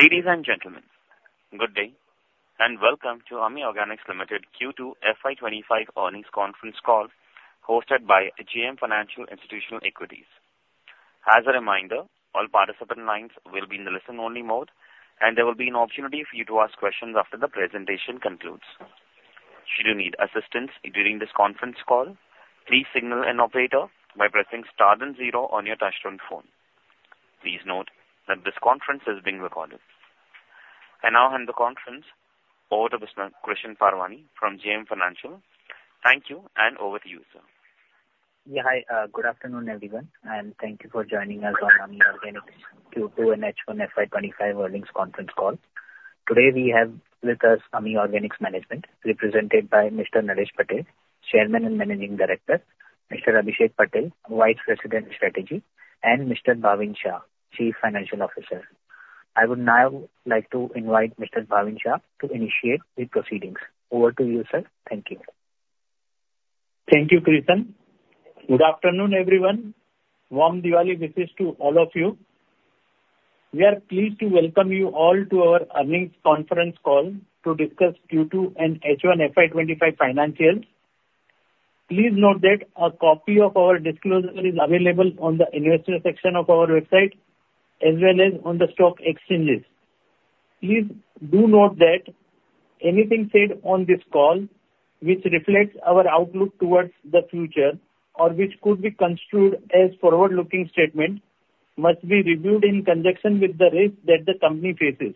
Ladies and gentlemen, good day and welcome to AMI Organics Limited Q2 FY 2025 Earnings Conference Call hosted by JM Financial Institutional Equities. As a reminder, all participant lines will be in the listen-only mode, and there will be an opportunity for you to ask questions after the presentation concludes. Should you need assistance during this conference call, please signal an operator by pressing star then zero on your touch-tone phone. Please note that this conference is being recorded. And now, I hand the conference over to Mr. Krishan Parwani from JM Financial. Thank you, and over to you, sir. Yeah, hi. Good afternoon, everyone, and thank you for joining us on AMI Organics Q2 and H1 FY 2025 Earnings Conference Call. Today, we have with us AMI Organics Management, represented by Mr. Naresh Patel, Chairman and Managing Director, Mr. Abhishek Patel, Vice President Strategy, and Mr. Bhavin Shah, Chief Financial Officer. I would now like to invite Mr. Bhavin Shah to initiate the proceedings. Over to you, sir. Thank you. Thank you, Krishan. Good afternoon, everyone. Warm Diwali wishes to all of you. We are pleased to welcome you all to our earnings conference call to discuss Q2 and H1 FY 2025 financials. Please note that a copy of our disclosure is available on the investor section of our website, as well as on the stock exchanges. Please do note that anything said on this call, which reflects our outlook towards the future or which could be construed as forward-looking statement, must be reviewed in conjunction with the risk that the company faces.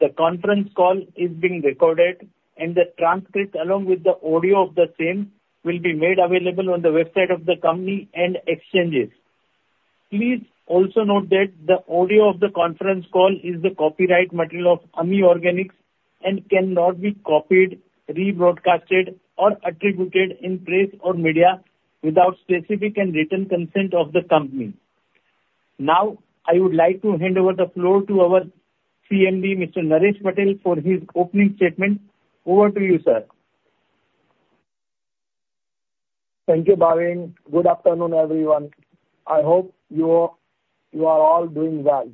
The conference call is being recorded, and the transcript, along with the audio of the same, will be made available on the website of the company and exchanges. Please also note that the audio of the conference call is the copyright material of AMI Organics and cannot be copied, rebroadcast, or attributed in press or media without specific and written consent of the company. Now, I would like to hand over the floor to our CMD, Mr. Naresh Patel, for his opening statement. Over to you, sir. Thank you, Bhavin. Good afternoon, everyone. I hope you are all doing well.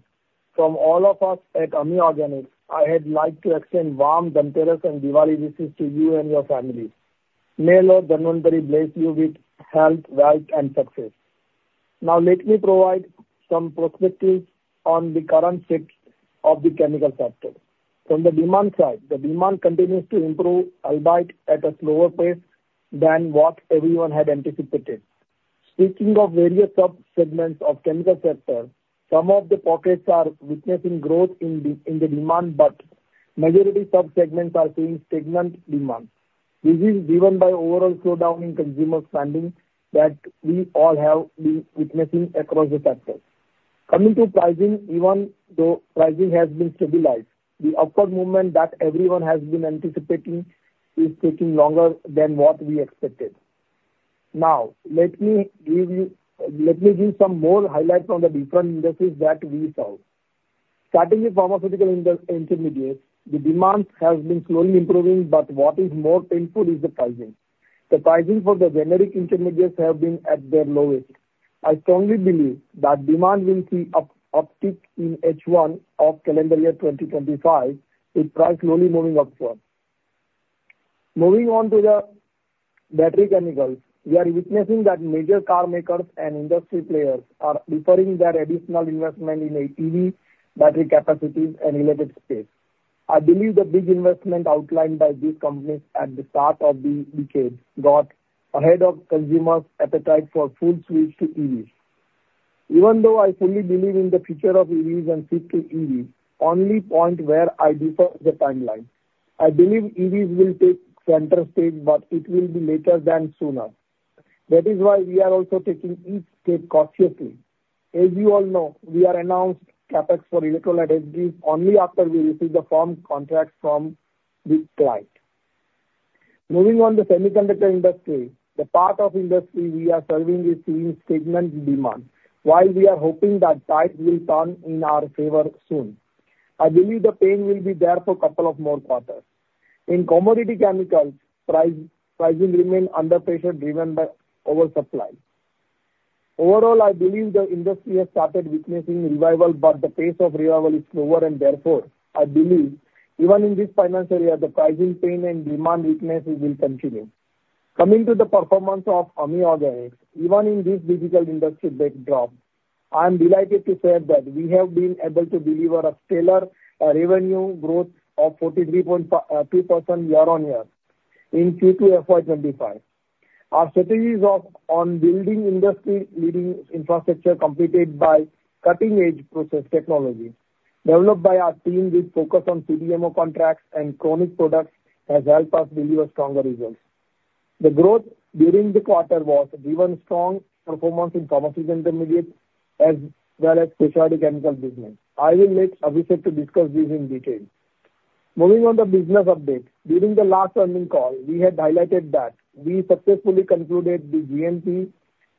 From all of us at AMI Organics, I would like to extend warm Dhanteras and Diwali wishes to you and your family. May Lord Dhanvantari bless you with health, wealth, and success. Now, let me provide some perspectives on the current state of the chemical sector. From the demand side, the demand continues to improve, albeit at a slower pace than what everyone had anticipated. Speaking of various subsegments of the chemical sector, some of the pockets are witnessing growth in the demand, but majority subsegments are seeing stagnant demand. This is driven by the overall slowdown in consumer spending that we all have been witnessing across the sector. Coming to pricing, even though pricing has been stabilized, the upward movement that everyone has been anticipating is taking longer than what we expected. Now, let me give you some more highlights on the different indices that we saw. Starting with pharmaceutical intermediates, the demand has been slowly improving, but what is more painful is the pricing. The pricing for the generic intermediates has been at their lowest. I strongly believe that demand will see a peak in H1 of calendar year 2025, with prices slowly moving upward. Moving on to the battery chemicals, we are witnessing that major car makers and industry players are offering their additional investment in EV battery capacities and related space. I believe the big investment outlined by these companies at the start of the decade got ahead of consumers' appetite for full switch to EVs. Even though I fully believe in the future of EVs and shift to EVs, only point where I do so is the timeline. I believe EVs will take center stage, but it will be later than sooner. That is why we are also taking each step cautiously. As you all know, we are announced CapEx for electrolyte energy only after we receive the firm contracts from the client. Moving on to the semiconductor industry, the part of the industry we are serving is seeing stagnant demand, while we are hoping that tides will turn in our favor soon. I believe the pain will be there for a couple of more quarters. In commodity chemicals, prices remain under pressure driven by oversupply. Overall, I believe the industry has started witnessing revival, but the pace of revival is slower, and therefore, I believe even in this financial year, the pricing pain and demand weakness will continue. Coming to the performance of AMI Organics, even in this difficult industry backdrop, I am delighted to say that we have been able to deliver a stellar revenue growth of 43.2% year-on-year in Q2 FY 2025. Our strategies on building industry-leading infrastructure completed by cutting-edge process technologies developed by our team with a focus on CDMO contracts and chronic products have helped us deliver stronger results. The growth during the quarter was driven by strong performance in pharmaceutical intermediates as well as specialty chemical business. I will let Abhishek to discuss this in detail. Moving on to business updates, during the last earnings call, we had highlighted that we successfully concluded the GMP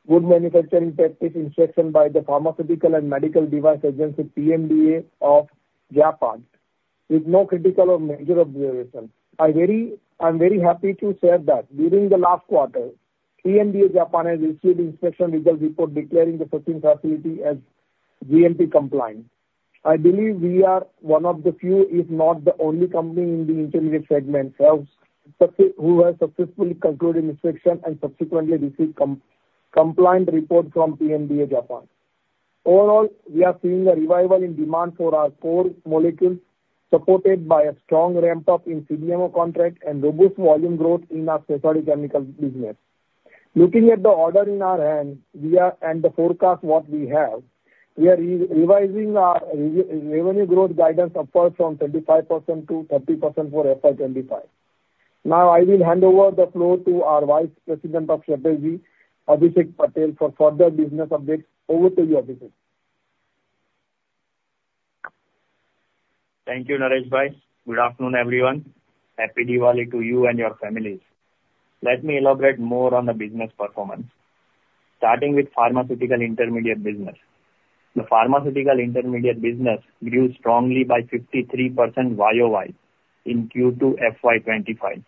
Good Manufacturing Practice inspection by the Pharmaceuticals and Medical Devices Agency, PMDA of Japan, with no critical or major observations. I'm very happy to share that during the last quarter, PMDA Japan has issued the inspection results report declaring the shipping facility as GMP compliant. I believe we are one of the few, if not the only company in the intermediate segment who has successfully concluded inspection and subsequently received compliant reports from PMDA Japan. Overall, we are seeing a revival in demand for our core molecules, supported by a strong ramp-up in CDMO contracts and robust volume growth in our specialty chemical business. Looking at the order in our hand and the forecast of what we have, we are revising our revenue growth guidance upward from 25% to 30% for FY 2025. Now, I will hand over the floor to our Vice President of Strategy, Abhishek Patel, for further business updates. Over to you, Abhishek. Thank you, Naresh Bhai. Good afternoon, everyone. Happy Diwali to you and your families. Let me elaborate more on the business performance, starting with pharmaceutical intermediate business. The pharmaceutical intermediate business grew strongly by 53% YoY in Q2 FY 2025.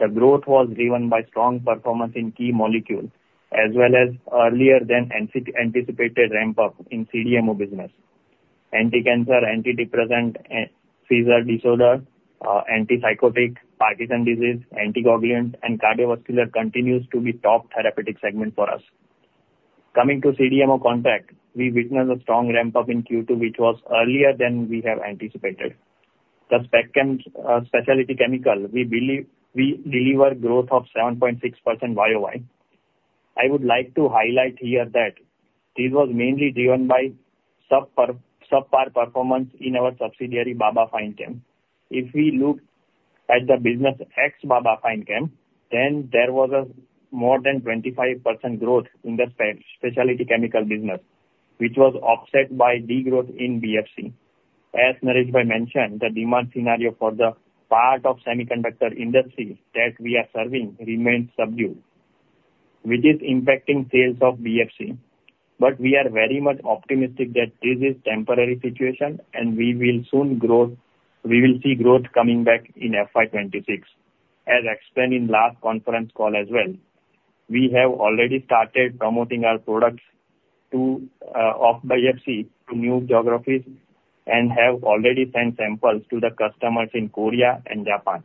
The growth was driven by strong performance in key molecules as well as earlier-than-anticipated ramp-up in CDMO business. Anticancer, antidepressant, seizure disorder, antipsychotic, Parkinson's disease, anticoagulant, and cardiovascular continue to be top therapeutic segments for us. Coming to CDMO contract, we witnessed a strong ramp-up in Q2, which was earlier than we had anticipated. The specialty chemical, we believe we delivered a growth of 7.6% YoY. I would like to highlight here that this was mainly driven by subpar performance in our subsidiary, Baba Fine Chem. If we look at the business ex-Baba Fine Chem, then there was more than 25% growth in the specialty chemical business, which was offset by degrowth in BFC. As Naresh Bhai mentioned, the demand scenario for the part of the semiconductor industry that we are serving remains subdued, which is impacting sales of BFC, but we are very much optimistic that this is a temporary situation, and we will soon see growth coming back in FY 2026. As explained in the last conference call as well, we have already started promoting our products of BFC to new geographies and have already sent samples to the customers in Korea and Japan.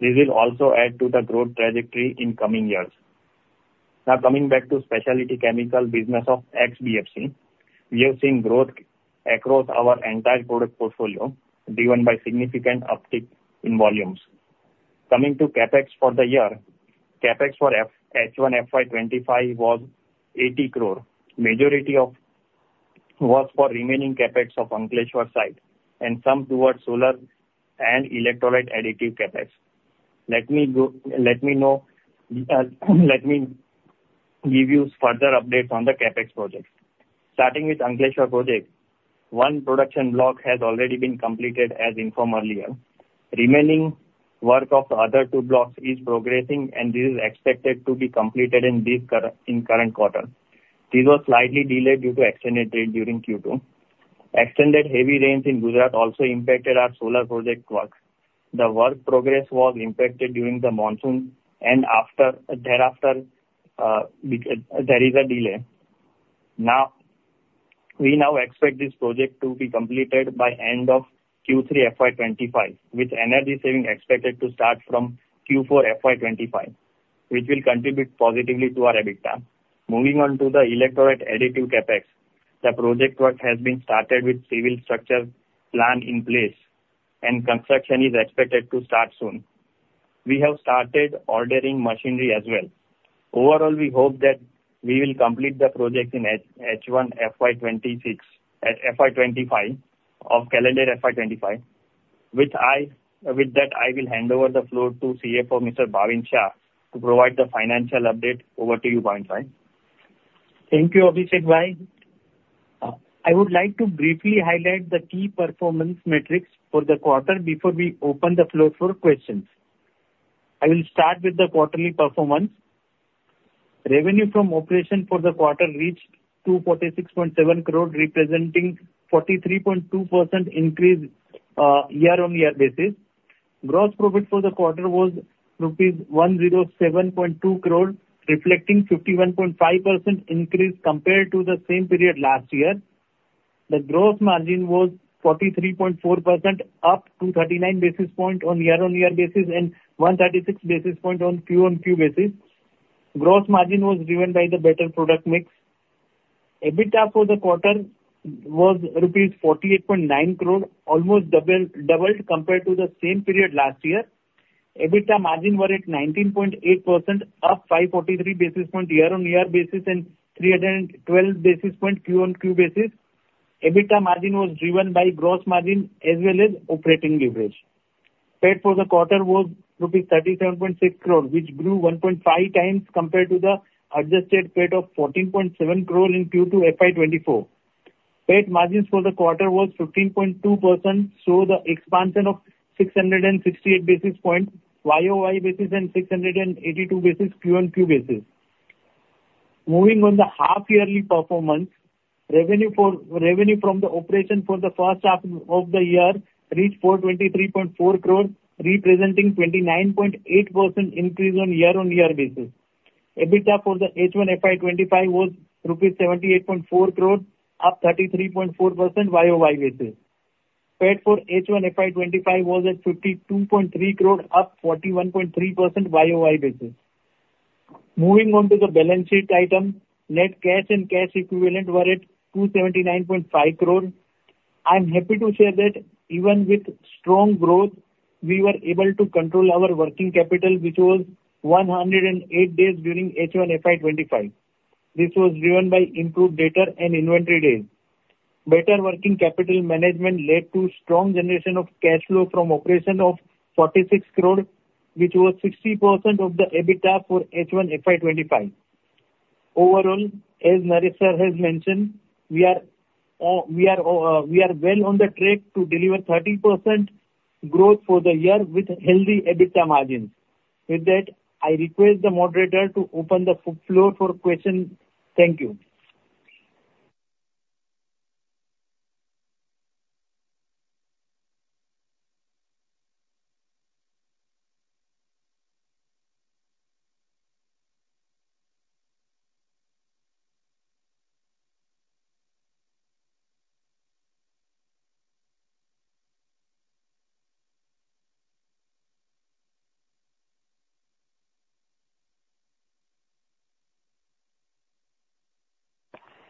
This will also add to the growth trajectory in the coming years. Now, coming back to the specialty chemical business of ex-BFC, we have seen growth across our entire product portfolio driven by a significant uptick in volumes. Coming to CapEx for the year, CapEx for H1 FY 2025 was 80 crore. The majority was for remaining CapEx of Ankleshwar site and some towards solar and electrolyte additive CapEx. Let me give you further updates on the CapEx projects. Starting with the Ankleshwar project, one production block has already been completed, as informed earlier. The remaining work of the other two blocks is progressing, and this is expected to be completed in the current quarter. This was slightly delayed due to an extended rain during Q2. Extended heavy rains in Gujarat also impacted our solar project work. The work progress was impacted during the monsoon, and thereafter, there is a delay. Now, we expect this project to be completed by the end of Q3 FY 2025, with energy savings expected to start from Q4 FY 2025, which will contribute positively to our EBITDA. Moving on to the electrolyte additive CapEx, the project work has been started with the civil structure plan in place, and construction is expected to start soon. We have started ordering machinery as well. Overall, we hope that we will complete the project in H1 FY 2025 of calendar year FY 2025. With that, I will hand over the floor to CFO, Mr. Bhavin Shah, to provide the financial update. Over to you, Bhavin Bhai. Thank you, Abhishek Bhai. I would like to briefly highlight the key performance metrics for the quarter before we open the floor for questions. I will start with the quarterly performance. Revenue from operations for the quarter reached 246.7 crore, representing a 43.2% increase on a year-on-year basis. Gross profit for the quarter was rupees 107.2 crore, reflecting a 51.5% increase compared to the same period last year. The gross margin was 43.4%, up to 39 basis points on a year-on-year basis and 136 basis points on Q-on-Q basis. Gross margin was driven by the better product mix. EBITDA for the quarter was rupees 48.9 crore, almost doubled compared to the same period last year. EBITDA margin was at 19.8%, up by 43 basis points on a year-on-year basis and 312 basis points on Q-on-Q basis. EBITDA margin was driven by gross margin as well as operating leverage. PAT for the quarter was rupees 37.6 crore, which grew 1.5x compared to the adjusted PAT of 14.7 crore in Q2 FY 2024. PAT margins for the quarter were 15.2%, so the expansion of 668 basis points YoY basis and 682 basis Q-on-Q basis. Moving on to the half-yearly performance, revenue from the operations for the first half of the year reached 423.4 crore, representing a 29.8% increase on a year-on-year basis. EBITDA for the H1 FY 2025 was 78.4 crore, up 33.4% YoY basis. PAT for H1 FY 2025 was at 52.3 crore, up 41.3% YoY basis. Moving on to the balance sheet items, net cash and cash equivalents were at 279.5 crore. I am happy to share that even with strong growth, we were able to control our working capital, which was 108 days during H1 FY 2025. This was driven by improved debtor and inventory days. Better working capital management led to a strong generation of cash flow from operations of 46 crore, which was 60% of the EBITDA for H1 FY 2025. Overall, as Naresh Sir has mentioned, we are well on the track to deliver 30% growth for the year with healthy EBITDA margins. With that, I request the moderator to open the floor for questions. Thank you.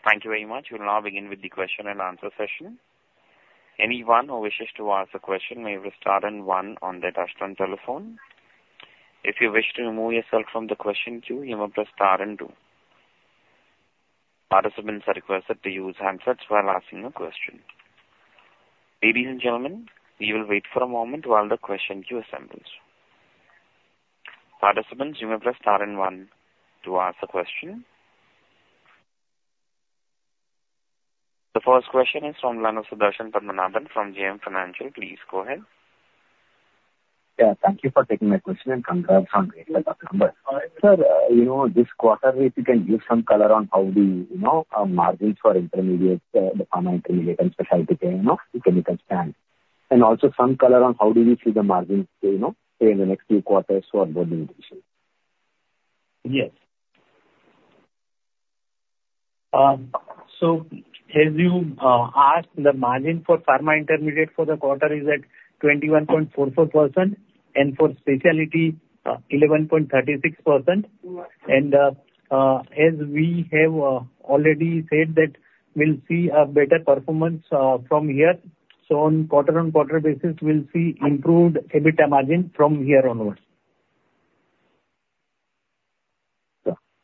Thank you very much. We will now begin with the question-and-answer session. Anyone who wishes to ask a question may press star and one on the touch-tone telephone. If you wish to remove yourself from the question queue, you may press star and two. Participants are requested to use handsets while asking a question. Ladies and gentlemen, we will wait for a moment while the question queue assembles. Participants, you may press star and one to ask a question. The first question is from the line of Sudarshan Padmanabhan from JM Financial. Please go ahead. Yeah, thank you for taking my question and congrats on the quarter. Sir, you know this quarter, if you can give some color on how the margins for the pharma intermediate and specialty chemicals, you can understand. And also some color on how do we see the margins stay in the next few quarters for both indications. Yes. So as you asked, the margin for pharma intermediate for the quarter is at 21.44%, and for specialty, 11.36%. And as we have already said, that we'll see a better performance from here. So on quarter-on-quarter basis, we'll see improved EBITDA margin from here onwards.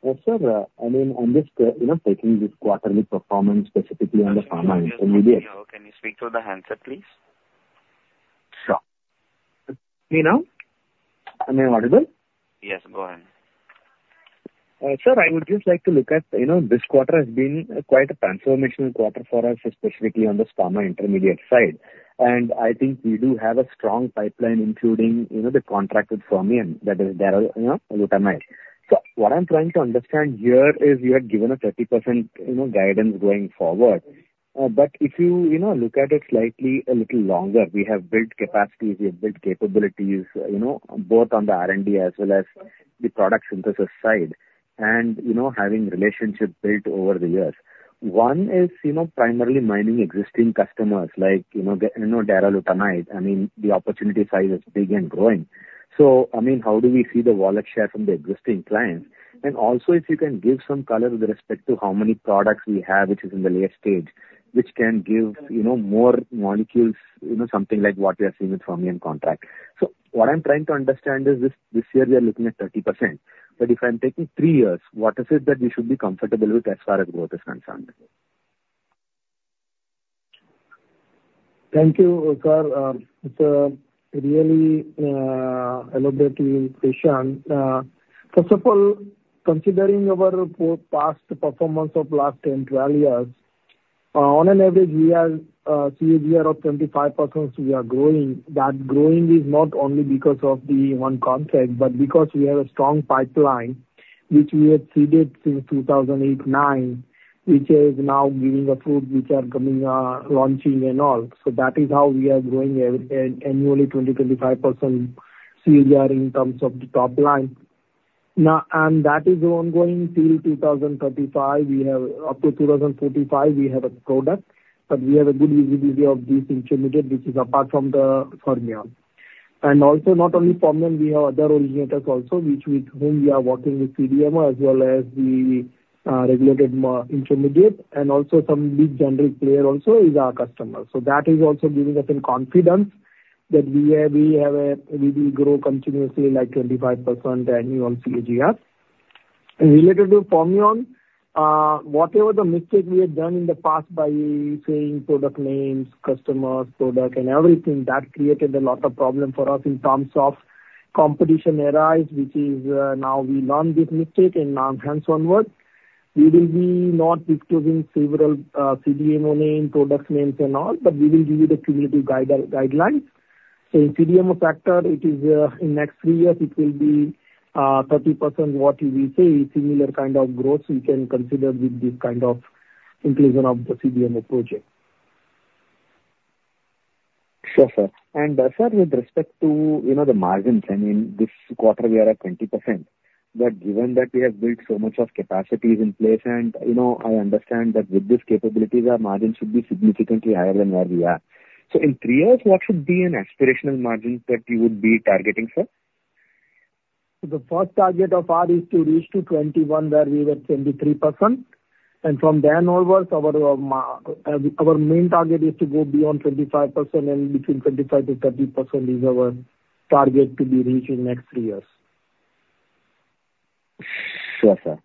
Yes, sir. I mean, I'm just taking this quarterly performance specifically on the pharma intermediate. Can you speak to the handset, please? Sure. Me now? Am I audible? Yes, go ahead. Sir, I would just like to look at this quarter has been quite a transformational quarter for us, specifically on the pharma intermediate side. And I think we do have a strong pipeline, including the contracted firm that is there with AMI. So what I'm trying to understand here is you had given a 30% guidance going forward. But if you look at it slightly a little longer, we have built capacities, we have built capabilities, both on the R&D as well as the product synthesis side, and having relationships built over the years. One is primarily mining existing customers like Darolutamide. I mean, the opportunity size is big and growing. So I mean, how do we see the wallet share from the existing clients? And also, if you can give some color with respect to how many products we have, which is in the late stage, which can give more molecules, something like what we are seeing with the Fermion contract. So what I'm trying to understand is this year we are looking at 30%. But if I'm taking three years, what is it that we should be comfortable with as far as growth is concerned? Thank you, sir. It's really a lovely presentation. First of all, considering our past performance of the last 10, 12 years, on an average, we have seen a year of 25%. We are growing. That growing is not only because of the one contract, but because we have a strong pipeline, which we have seeded since 2008, 2009, which is now giving us fruit, which are coming, launching, and all. So that is how we are growing annually 20%, 25% CAGR in terms of the top line. And that is ongoing till 2035. Up to 2035, we have a product, but we have a good visibility of this intermediate, which is apart from the Fermion. And also, not only Fermion, we have other originators also, with whom we are working with CDMO as well as the regulated intermediate. And also, some big general player also is our customer. So that is also giving us confidence that we will grow continuously like 25% annual CAGR. Related to Fermion, whatever the mistake we had done in the past by saying product names, customers, product, and everything, that created a lot of problems for us in terms of competition arise, which is now we learned this mistake, and now hands-on work. We will be not disclosing several CDMO names, product names, and all, but we will give you the cumulative guidelines. So in CDMO factor, it is in the next three years, it will be 30% what we say, similar kind of growth we can consider with this kind of inclusion of the CDMO project. Sure, sir. And sir, with respect to the margins, I mean, this quarter we are at 20%. But given that we have built so much of capacities in place, and I understand that with this capability, our margin should be significantly higher than where we are. So in three years, what should be an aspirational margin that you would be targeting for? The first target of ours is to reach to 21%, where we were 23%. And from there onwards, our main target is to go beyond 25%, and between 25%-30% is our target to be reaching next three years. Sure, sir.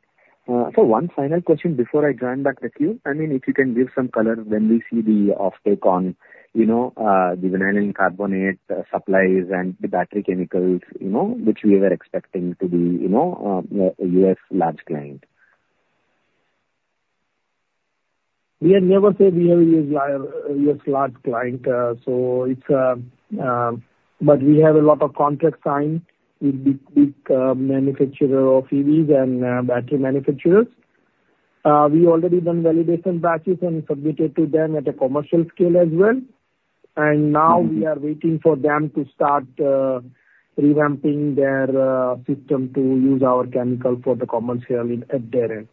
So one final question before I join back with you. I mean, if you can give some color when we see the offtake on the Vinylene Carbonate supplies and the battery chemicals, which we were expecting to be a U.S. large client? We never say we have a U.S. large client. But we have a lot of contracts signed with big manufacturers of EVs and battery manufacturers. We already done validation batches and submitted to them at a commercial scale as well. And now we are waiting for them to start revamping their system to use our chemical for the commercial production.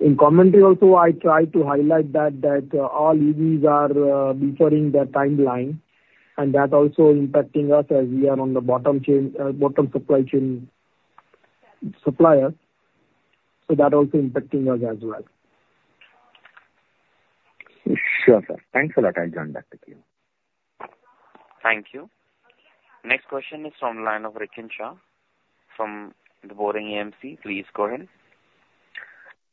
In commentary, also, I try to highlight that all EVs are deferring their timeline, and that also impacting us as we are on the bottom supply chain suppliers. So that also impacting us as well. Sure, sir. Thanks a lot. I'll join back with you. Thank you. Next question is from Rikin Shah from The Boring AMC. Please go ahead.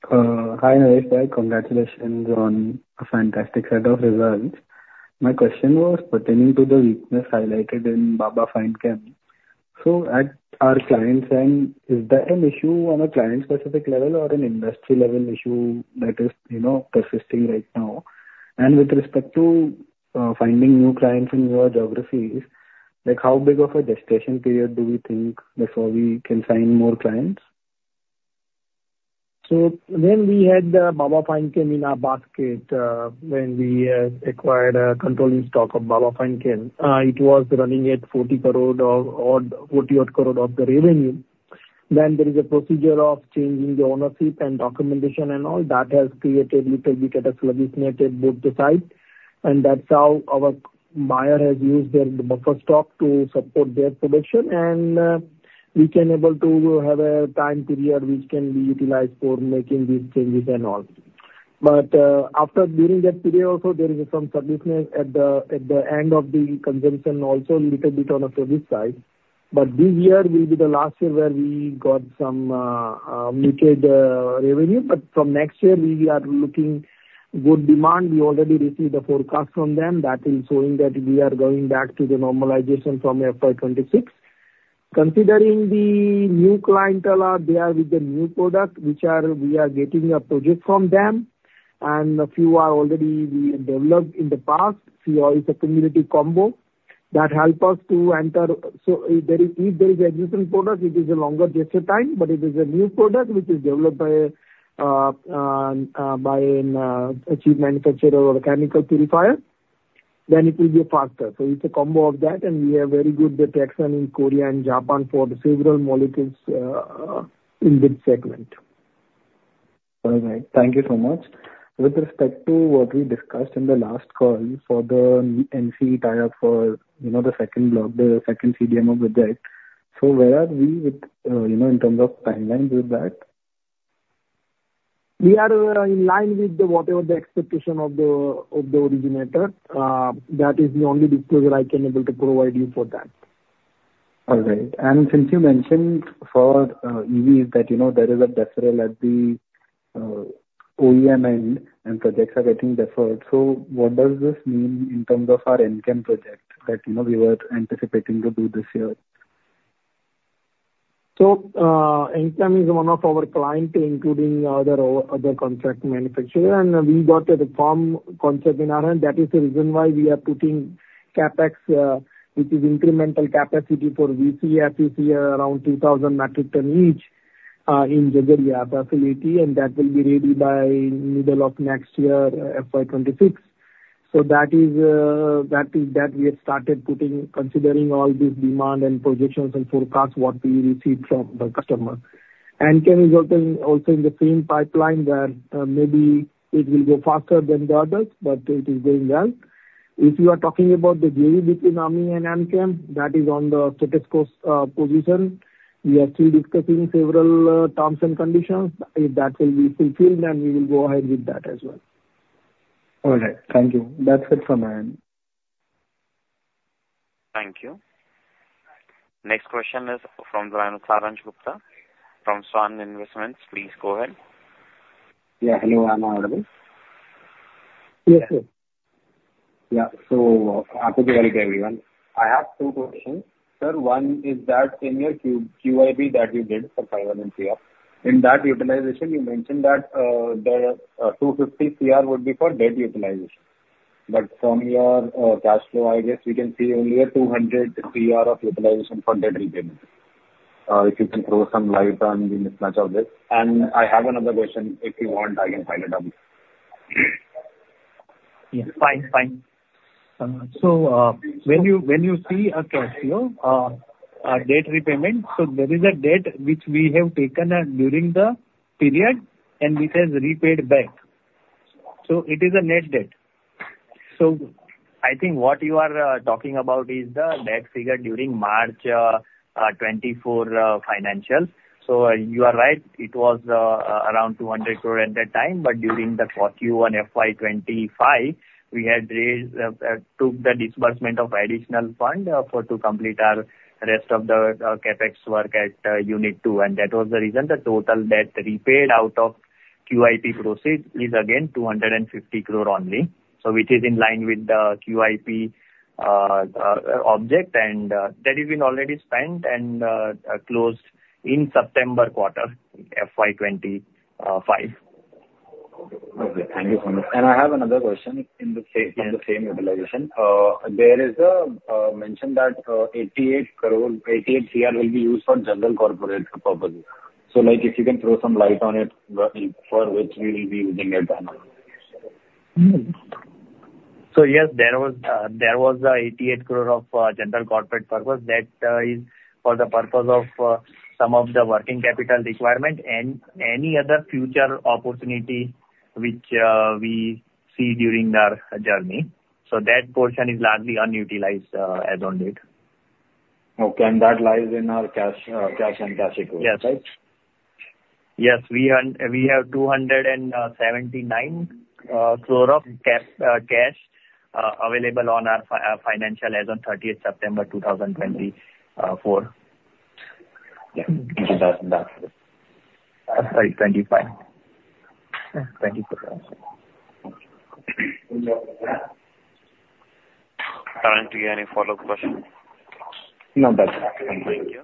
Hi Naresh Sir. Congratulations on a fantastic set of results. My question was pertaining to the weakness highlighted in Baba Fine Chem. So at our client's end, is there an issue on a client-specific level or an industry-level issue that is persisting right now? And with respect to finding new clients in your geographies, how big of a gestation period do we think before we can sign more clients? So when we had the Baba Fine Chem in our basket, when we acquired a controlling stock of Baba Fine Chem, it was running at 40 crore of the revenue. Then there is a procedure of changing the ownership and documentation and all. That has created little bit of a sluggishness at both the sides. And that's how our buyer has used their buffer stock to support their production. And we can be able to have a time period which can be utilized for making these changes and all. But during that period, also, there is some sluggishness at the end of the consumption, also a little bit on the service side. But this year will be the last year where we got some muted revenue. But from next year, we are looking good demand. We already received a forecast from them that is showing that we are going back to the normalization from FY 2026. Considering the new clientele, they are with the new product, which we are getting a project from them. And a few are already developed in the past. CR is a commercial combo that helps us to enter. So if there is a different product, it is a longer gestation time. But if it is a new product, which is developed by an achieved manufacturer or a chemical supplier, then it will be faster. So it's a combo of that. And we have very good traction in Korea and Japan for several molecules in this segment. All right. Thank you so much. With respect to what we discussed in the last call for the NCE tie-up for the second block, the second CDMO project, so where are we in terms of timelines with that? We are in line with whatever the expectation of the originator. That is the only disclosure I can be able to provide you for that. All right. And since you mentioned for EVs that there is a deferral at the OEM end and projects are getting deferred, so what does this mean in terms of our Enchem project that we were anticipating to do this year? Enchem is one of our clients, including other contract manufacturers. We got a firm contract in our hand. That is the reason why we are putting CapEx, which is incremental capacity for VC and FEC, you see around 2,000 metric tons each in Jhagadia facility. That will be ready by middle of next year, FY 2026. That is what we have started putting, considering all this demand and projections and forecasts what we received from the customer. Enchem is also in the same pipeline where maybe it will go faster than the others, but it is going well. If you are talking about the deal between AMI and Enchem, that is on the status quo position. We are still discussing several terms and conditions. If that will be fulfilled, then we will go ahead with that as well. All right. Thank you. That's it from my end. Thank you. Next question is from the line of Saransh Gupta from SVAN Investments. Please go ahead. Yeah. Hello. Am I audible? Yes, sir. Yeah. So, apologetic to everyone. I have two questions. Sir, one is that in your QIP that you did for 500 crore, in that utilization, you mentioned that the 250 crore would be for debt utilization. But from your cash flow, I guess we can see only a 200 crore of utilization for debt repayment. If you can throw some light on the mismatch of this. And I have another question. If you want, I can pile it up. Yes. Fine. Fine. So when you see a cash flow, a debt repayment, so there is a debt which we have taken during the period, and it has repaid back. So it is a net debt. I think what you are talking about is the net figure during March 2024 financial. You are right. It was around 200 crore at that time. But during Q1 FY 2025, we had took the disbursement of additional fund to complete our rest of the CapEx work at Unit 2. And that was the reason the total debt repaid out of QIP proceeds is again 250 crore only, which is in line with the QIP objective. And that has been already spent and closed in September quarter, FY 2025. Okay. Thank you so much. And I have another question in the same utilization. There is a mention that 88 crore, 88 crore will be used for general corporate purposes. So if you can throw some light on it for which we will be using it. So yes, there was 88 crore of general corporate purpose that is for the purpose of some of the working capital requirement and any other future opportunity which we see during our journey. So that portion is largely unutilized as on date. Okay. And that lies in our cash and cash equivalent, right? Yes. Yes. We have 279 crore of cash available on our financial as of 30th September 2024. Yeah. 2000. Sorry. 2025. 2024. Currently, any follow-up question? No. That's it. Thank you.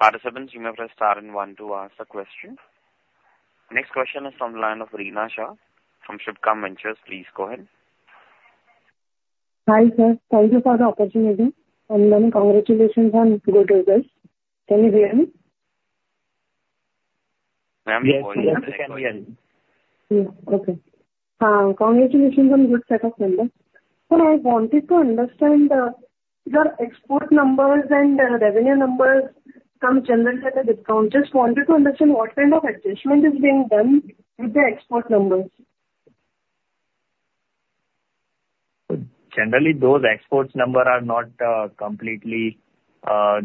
Participants, you may press star and one to ask a question. Next question is from Reena Shah from Subhkam Ventures. Please go ahead. Hi, sir. Thank you for the opportunity and many congratulations on good results. Can you hear me? Ma'am, you can hear me. Yes. Okay. Congratulations on good setup, ma'am. So I wanted to understand your export numbers and revenue numbers from general trade discount. Just wanted to understand what kind of adjustment is being done with the export numbers. Generally, those export numbers are not completely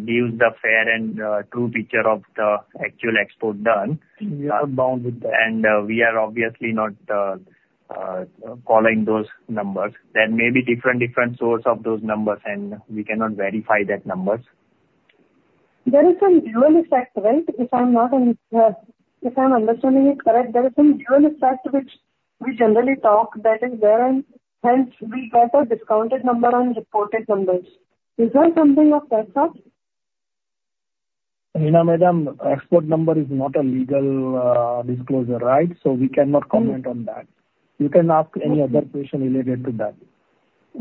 giving the fair and true picture of the actual export done. We are bound with that. We are obviously not following those numbers. There may be different, different sources of those numbers, and we cannot verify that numbers. There is some dual effect, right? If I'm not understanding it correct, there is some dual effect which we generally talk that is there, and hence we get a discounted number on reported numbers. Is there something of that sort? Reena Madam, export number is not a legal disclosure, right? So we cannot comment on that. You can ask any other question related to that.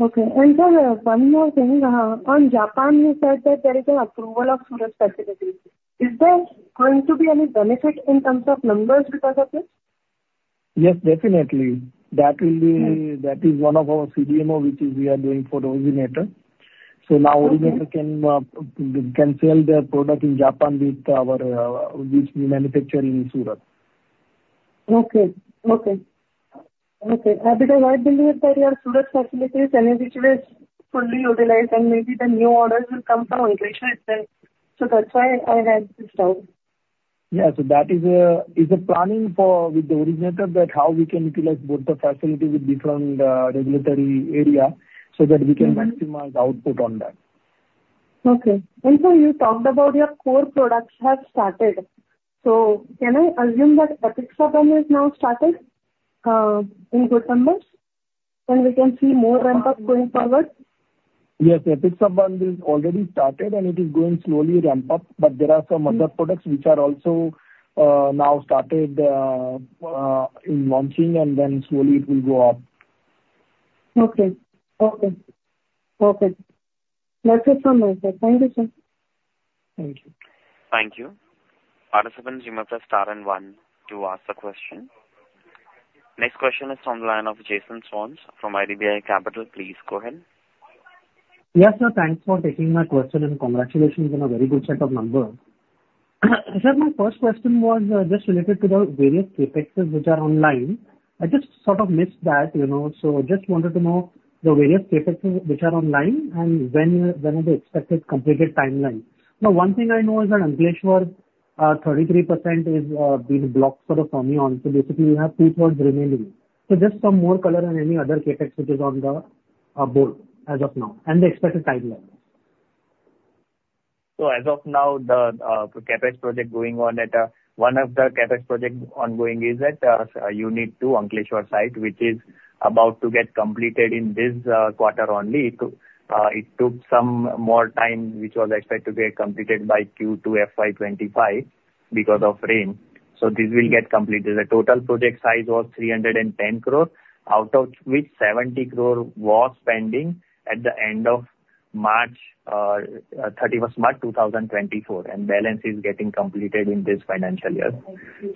Okay. And sir, one more thing. On Japan, you said that there is an approval of the facilities. Is there going to be any benefit in terms of numbers because of this? Yes, definitely. That is one of our CDMO, which we are doing for the originator. So now originator can sell their product in Japan with which we manufacture in Surat. Okay. Have you ever been with any of the tourist facilities and which was fully utilized? And maybe the new orders will come from English, right? So that's why I had this doubt. Yeah. So that is a planning with the originator that how we can utilize both the facilities with different regulatory area so that we can maximize output on that. Okay. And sir, you talked about your core products have started. So can I assume that Apixaban has now started in good numbers? And we can see more ramp-up going forward? Yes. Apixaban is already started, and it is going slowly ramp-up. But there are some other products which are also now started in launching, and then slowly it will go up. Okay. Okay. Okay. That's it from my side. Thank you, sir. Thank you. Thank you. Participants, you may press star and one to ask a question. Next question is from the line of Jason Soans from IDBI Capital. Please go ahead. Yes, sir. Thanks for taking my question and congratulations on a very good set of numbers. Sir, my first question was just related to the various CapExes which are online. I just sort of missed that. So just wanted to know the various CapExes which are online and when are the expected completed timeline. Now, one thing I know is that Ankleshwar 33% is being blocked sort of Fermion. So basically, we have 2/3 remaining. So just some more color on any other CapEx which is on the board as of now and the expected timeline. So as of now, the CapEx project going on at one of the CapEx projects ongoing is at Unit 2, Ankleshwar site, which is about to get completed in this quarter only. It took some more time, which was expected to get completed by Q2 FY 2025 because of rain. So this will get completed. The total project size was 310 crore, out of which 70 crore was pending at the end of 31st March 2024, and balance is getting completed in this financial year.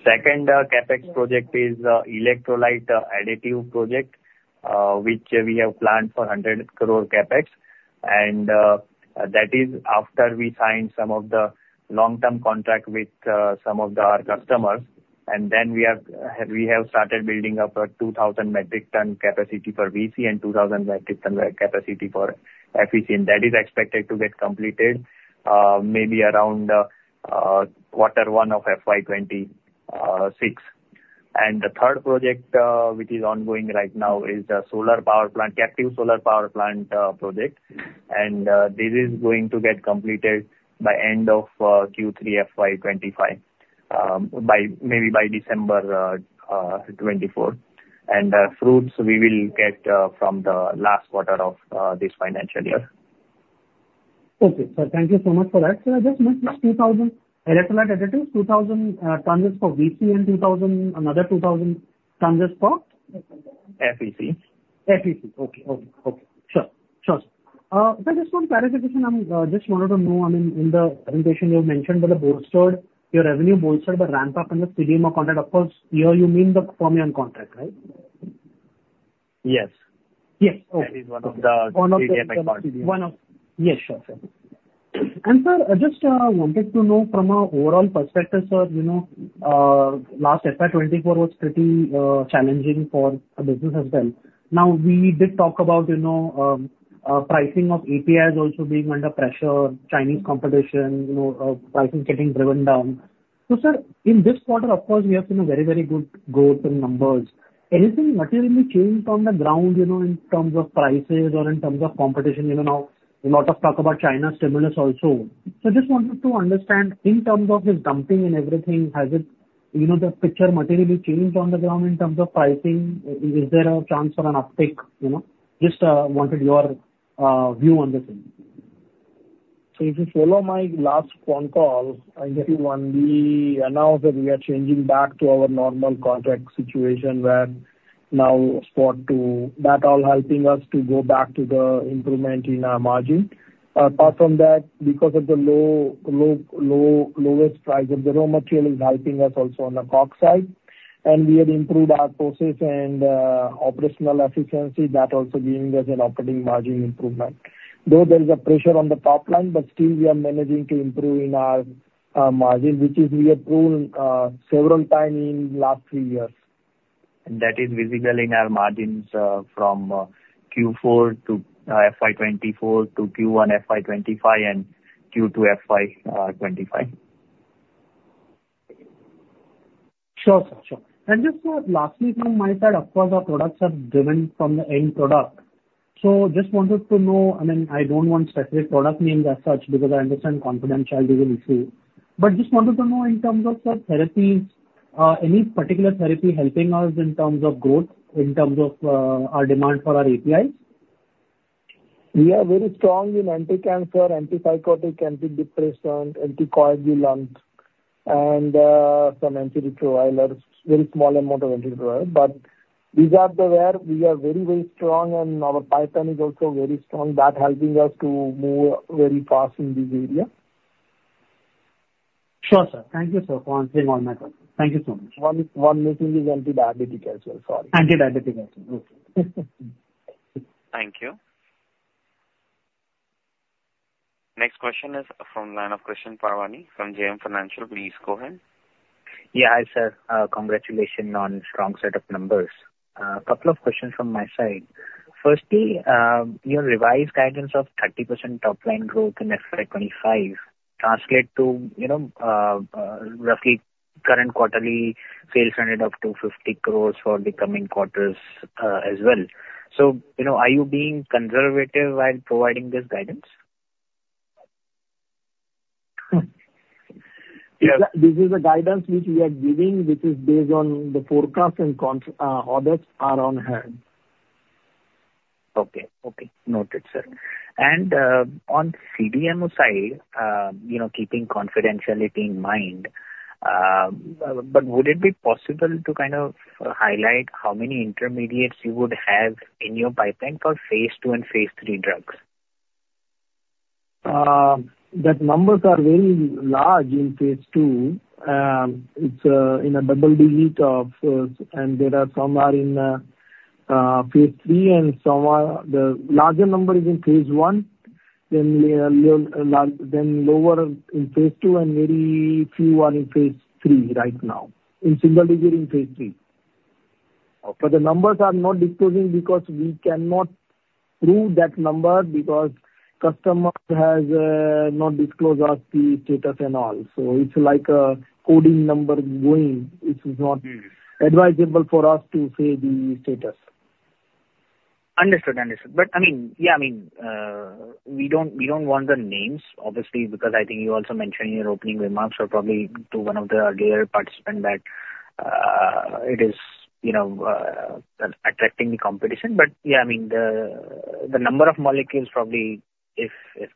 Second CapEx project is electrolyte additive project, which we have planned for 100 crore CapEx. And that is after we signed some of the long-term contract with some of our customers. And then we have started building up a 2,000 metric ton capacity for VC and 2,000 metric ton capacity for FEC. And that is expected to get completed maybe around quarter one of FY 2026. The third project, which is ongoing right now, is the solar power plant, captive solar power plant project. This is going to get completed by end of Q3 FY 2025, maybe by December 2024. Fruits we will get from the last quarter of this financial year. Okay. So thank you so much for that. Sir, I just mentioned 2,000 electrolyte additives, 2,000 tons for VC, and another 2,000 tons for? FEC. FEC. Okay. Sure. So I just want to clarify this one. I just wanted to know, I mean, in the presentation, you have mentioned that the bolstered, your revenue bolstered, but ramp-up on the CDMO contract. Of course, here you mean the Fermion contract, right? Yes. Yes. Okay. That is one of the CDMO parts. Yes. Sure. Sure. And sir, I just wanted to know from an overall perspective, sir. Last FY 2024 was pretty challenging for a business as well. Now, we did talk about pricing of APIs also being under pressure, Chinese competition, prices getting driven down. So sir, in this quarter, of course, we have seen very, very good growth in numbers. Anything materially changed on the ground in terms of prices or in terms of competition? Now, a lot of talk about China stimulus also. So I just wanted to understand in terms of this dumping and everything, has the picture materially changed on the ground in terms of pricing? Is there a chance for an uptick? Just wanted your view on this thing. So if you follow my last phone call, I think we announced that we are changing back to our normal contract situation where now. Export to that all helping us to go back to the improvement in our margin. Apart from that, because of the lowest price of the raw material is helping us also on the cost side. And we have improved our process and operational efficiency. That also giving us an operating margin improvement. Though there is a pressure on the top line, but still we are managing to improve in our margin, which we have grown several times in the last three years. That is visible in our margins from Q4 to FY 2024 to Q1 FY 2025 and Q2 FY 2025. Sure. And just lastly, from my side, of course, our products are driven from the end product. So just wanted to know, I mean, I don't want specific product names as such because I understand confidentiality issues. But just wanted to know in terms of the therapies, any particular therapy helping us in terms of growth, in terms of our demand for our APIs? We are very strong in anti-cancer, anti-psychotic, anti-depressant, anti-coagulant, and some antiretrovirals, very small amount of antiretrovirals. But these are the where we are very, very strong, and our pipeline is also very strong. That's helping us to move very fast in this area. Sure, sir. Thank you, sir, for answering all my questions. Thank you so much. One missing is anti-diabetic as well. Sorry. Anti-diabetic as well. Okay. Thank you. Next question is from Krishan Parwani from JM Financial. Please go ahead. Yeah. Hi, sir. Congratulations on strong set of numbers. A couple of questions from my side. Firstly, your revised guidance of 30% top-line growth in FY 2025 translate to roughly current quarterly sales run rate of 250 crore for the coming quarters as well. So are you being conservative while providing this guidance? Yes. This is a guidance which we are giving, which is based on the forecast, and orders are on hand. Okay. Okay. Noted, sir. And on CDMO side, keeping confidentiality in mind, but would it be possible to kind of highlight how many intermediates you would have in your pipeline for phase II and phase III drugs? Those numbers are very large in phase II. It's in double digits, and there are some in phase III, and some, the larger number is in phase I, then lower in phase II, and very few are in phase III right now, in single digits in phase III. But the numbers are not disclosed because we cannot provide that number because customer has not disclosed to us the status and all. So it's like a guessing number going. It is not advisable for us to say the status. Understood. Understood. But I mean, yeah, I mean, we don't want the names, obviously, because I think you also mentioned in your opening remarks or probably to one of the earlier participants that it is attracting the competition. But yeah, I mean, the number of molecules probably if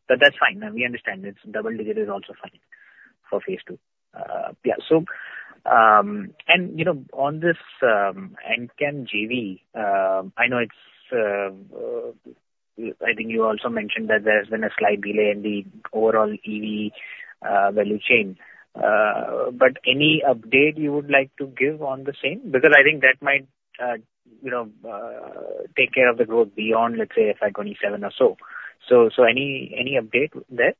that's fine. We understand it's double digit is also fine for phase II. Yeah. And on this Enchem JV, I know it's. I think you also mentioned that there has been a slight delay in the overall EV value chain. But any update you would like to give on the same? Because I think that might take care of the growth beyond, let's say, FY 2027 or so. So any update there?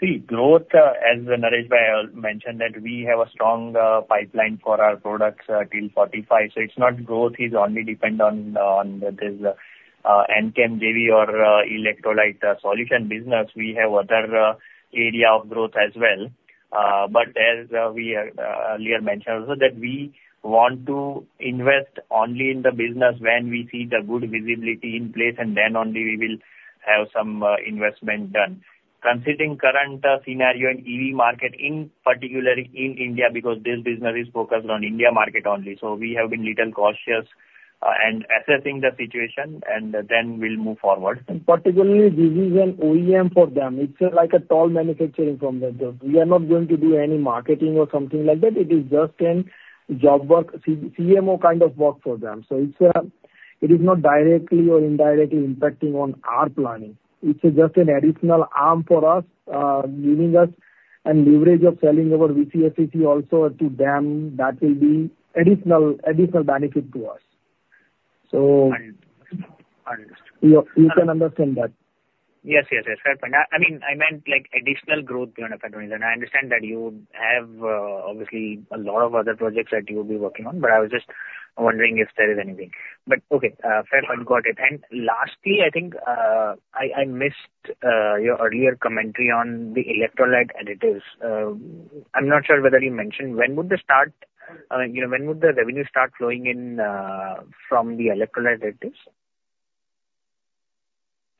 See, growth as the narrative I mentioned that we have a strong pipeline for our products till 2045. So it's not growth is only depend on this Enchem JV or electrolyte solution business. We have other area of growth as well. But as we earlier mentioned also that we want to invest only in the business when we see the good visibility in place, and then only we will have some investment done. Considering current scenario and EV market, in particular in India, because this business is focused on India market only. So we have been a little cautious and assessing the situation, and then we'll move forward. And particularly this is an OEM for them. It's like a toll manufacturing from them. We are not going to do any marketing or something like that. It is just a job work, CMO kind of work for them. So it is not directly or indirectly impacting on our planning. It's just an additional arm for us, giving us a leverage of selling over VC, FEC also to them. That will be additional benefit to us. So you can understand that. Yes. Yes. Yes. Fair point. I mean, I meant additional growth beyond FY 2027. I understand that you have obviously a lot of other projects that you will be working on, but I was just wondering if there is anything. But okay, fair point. Got it. And lastly, I think I missed your earlier commentary on the electrolyte additives. I'm not sure whether you mentioned when would the start, when would the revenue start flowing in from the electrolyte additives?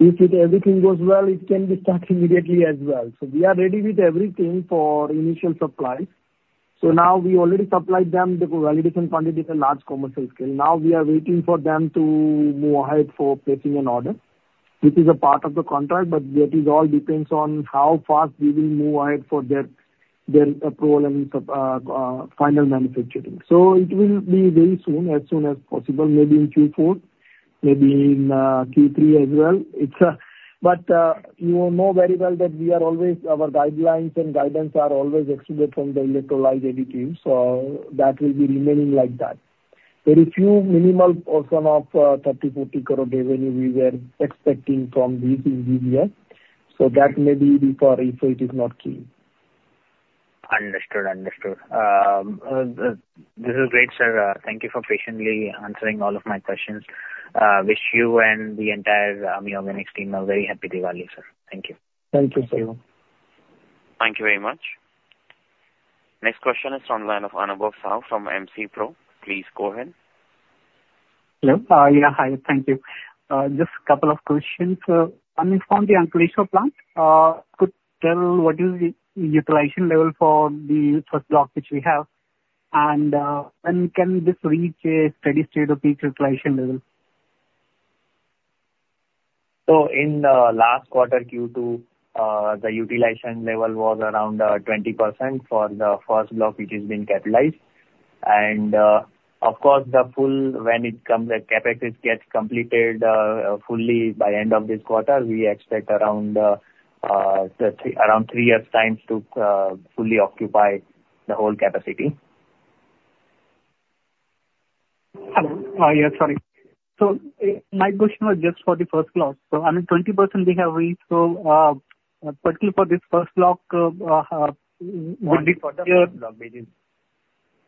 If everything goes well, it can be started immediately as well. So we are ready with everything for initial supply. So now we already supplied them the validation batch on a large commercial scale. Now we are waiting for them to move ahead for placing an order, which is a part of the contract. But that all depends on how fast we will move ahead for their approval and final manufacturing. So it will be very soon, as soon as possible, maybe in Q4, maybe in Q3 as well. But you know very well that we are always our guidelines and guidance are always extrapolated from the electrolyte additives. So that will be remaining like that. Very few, minimal portion of 30 crore, 40 crore revenue we were expecting from VC and GVS. So that may be before if it is not key. Understood. Understood. This is great, sir. Thank you for patiently answering all of my questions. Wish you and the entire AMI Organics team a very Happy Diwali, sir. Thank you. Thank you, sir. Thank you very much. Next question is from analyst Anubhav Sahu from MCPro. Please go ahead. Hello. Yeah. Hi. Thank you. Just a couple of questions. I'm from the Ankleshwar plant. Could tell what is the utilization level for the first block which we have, and can this reach a steady state of peak utilization level? So in the last quarter, Q2, the utilization level was around 20% for the first block which has been capitalized. And of course, when it comes to CapEx, it gets completed fully by end of this quarter. We expect around three years' time to fully occupy the whole capacity. Hello. Yeah. Sorry. So my question was just for the first block. So I mean, 20% we have reached. So particularly for this first block. 20% of the block basis.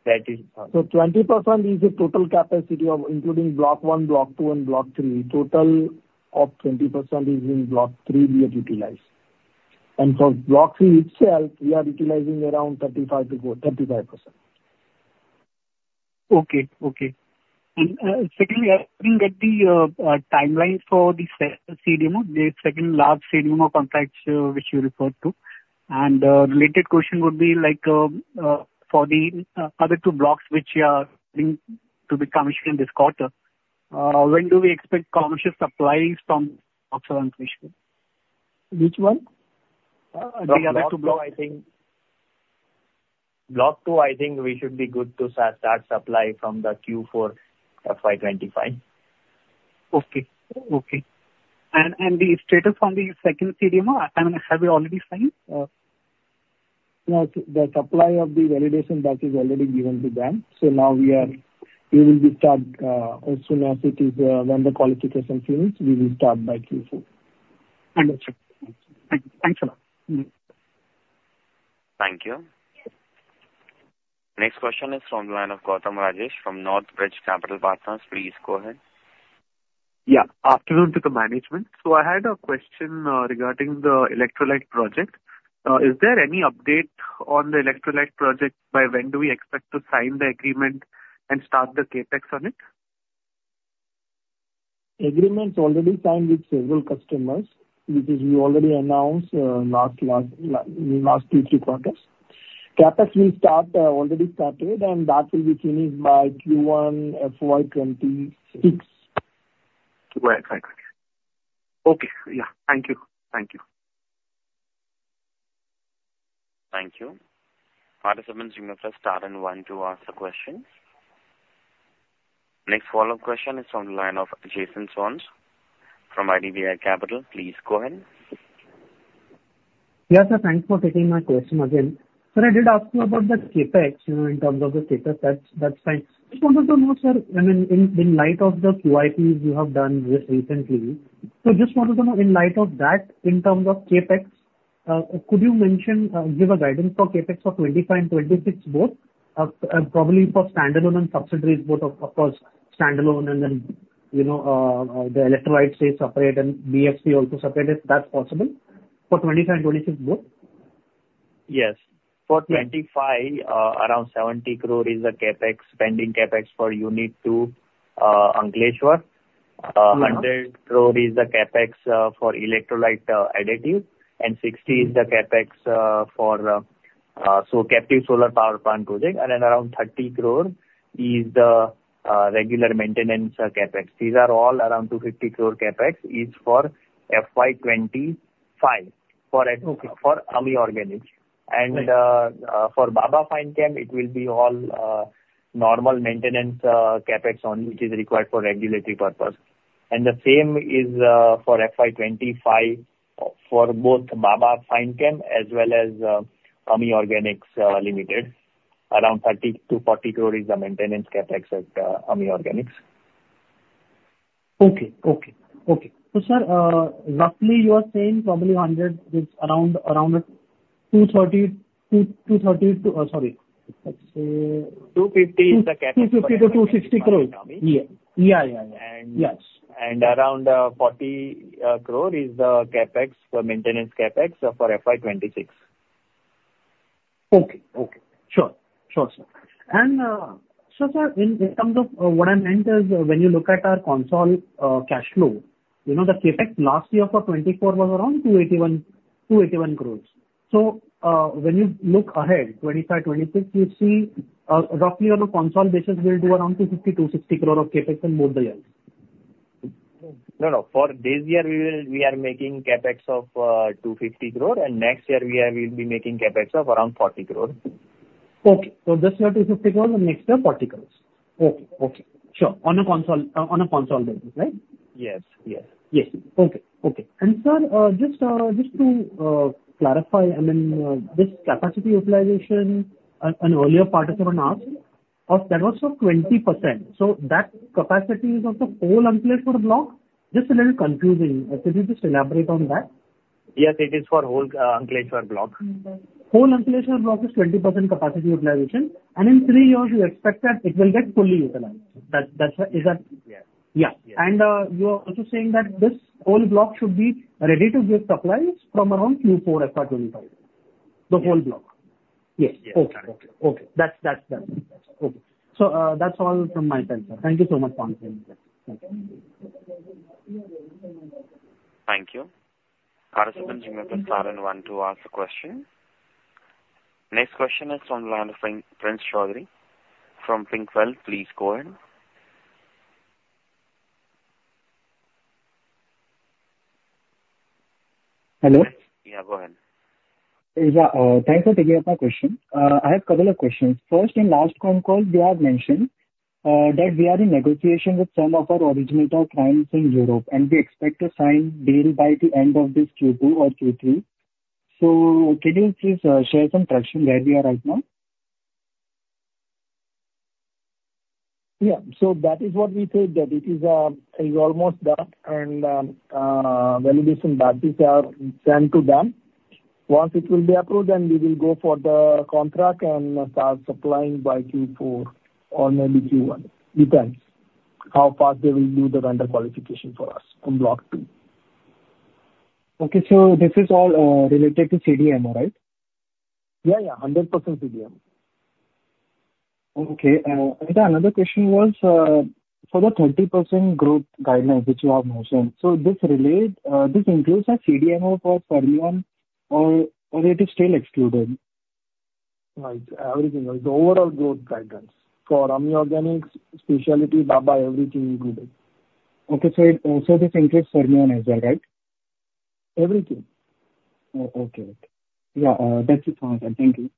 That is... So 20% is the total capacity of including Block 1, Block 2, and Block 3. Total of 20% is in Block 3 we have utilized. And for Block 3 itself, we are utilizing around 35%-40%. 35%. Okay. Okay. And secondly, I think that the timeline for the CDMO, the second large CDMO contracts which you referred to. And related question would be for the other two blocks which are going to be commissioned this quarter, when do we expect commercial supplies from expansion facility? Which one? The other two blocks, I think. Block 2, I think we should be good to start supply from the Q4 FY 2025. Okay. Okay. And the status on the second CDMO, I mean, have we already signed? No, the supply of the validation batch is already given to them. So now we will start as soon as it is when the qualification finishes, we will start by Q4. Understood. Thanks a lot. Thank you. Next question is from Gautam Rajesh from Northbridge Capital Partners. Please go ahead. Yeah. Afternoon to the management. So I had a question regarding the electrolyte project. Is there any update on the electrolyte project by when do we expect to sign the agreement and start the CapEx on it? Agreement is already signed with several customers, which we already announced last two or three quarters. CapEx will start, already started, and that will be finished by Q1 FY 2026. Right. Right. Okay. Okay. Yeah. Thank you. Thank you. Thank you. The next participant wants to ask a question. Next follow-up question is from the line of Jason Soans from IDBI Capital. Please go ahead. Yes, sir. Thanks for taking my question again. Sir, I did ask you about the CapEx in terms of the CapEx. That's fine. Just wanted to know, sir, I mean, in light of the QIPs you have done recently. So just wanted to know, in light of that, in terms of CapEx, could you give a guidance for CapEx for 2025 and 2026 both, probably for standalone and subsidiaries both, of course, standalone and then the electrolytes stay separate and BFC also separate if that's possible for 2025 and 2026 both? Yes. For 2025, around 70 crore is the CapEx, pending CapEx for Unit 2 Ankleshwar. 100 crore is the CapEx for electrolyte additive, and 60 crore is the CapEx for so captive solar power plant project. And then around 30 crore is the regular maintenance CapEx. These are all around 250 crore CapEx is for FY 2025 for AMI Organics. And for Baba Fine Chem, it will be all normal maintenance CapEx only, which is required for regulatory purpose. And the same is for FY 2025 for both Baba Fine Chem as well as AMI Organics Limited. Around 30 crore to 40 crore is the maintenance CapEx at AMI Organics. Okay. So, sir, roughly you are saying probably around 230 crore to, sorry, let's say. 250 crore is the CapEx. 250 crore-260 crore. Yeah. Yeah. Yeah. Yes. Around 40 crore is the CapEx for maintenance CapEx for FY 2026. Sure, sir. So, sir, in terms of what I meant is, when you look at our consolidated cash flow, the CapEx last year for 2024 was around 281 crore. So when you look ahead, 2025, 2026, you see roughly on a consolidated basis, we'll do around 250 crore, 260 crore of CapEx in both the years. No, no. For this year, we are making CapEx of 250 crore. And next year, we will be making CapEx of around 40 crore. Okay. So this year 250 crore and next year 40 crores. Okay. Okay. Sure. On a consolidated basis, right? Yes. Yes. Yes. Okay. Okay. And sir, just to clarify, I mean, this capacity utilization, an earlier participant asked, that was for 20%. So that capacity is of the whole Ankleshwar block? Just a little confusing. Could you just elaborate on that? Yes. It is for whole Ankleshwar block. Whole Ankleshwar block is 20% capacity utilization. And in three years, you expect that it will get fully utilized. Is that? Yes. Yeah, and you are also saying that this whole block should be ready to give supplies from around Q4 FY 2025, the whole block. Yes. Yes. Okay. Okay. Okay. That's better. Okay. So that's all from my side, sir. Thank you so much for answering. Thank you. Thank you. Participants do not start and want to ask a question. Next question is from the line of Prince Choudhary from PINC Wealth. Please go ahead. Hello? Yeah. Go ahead. Thanks for taking up my question. I have a couple of questions. First and last phone call, we have mentioned that we are in negotiation with some of our originator clients in Europe, and we expect to sign deal by the end of this Q2 or Q3. So can you please share some traction where we are right now? Yeah, so that is what we said, that it is almost done, and validation batches are sent to them. Once it will be approved, then we will go for the contract and start supplying by Q4 or maybe Q1. Depends how fast they will do the vendor qualification for us in Block 2. Okay. So this is all related to CDMO, right? Yeah. Yeah. 100% CDMO. Okay. Another question was for the 30% growth guidelines which you have mentioned. So this includes CDMO for Fermion or it is still excluded? Right. Everything. The overall growth guidance for AMI Organics, specialty, Baba, everything included. Okay. So this includes Fermion as well, right? Everything. Oh, okay. Yeah. That's it for my side. Thank you.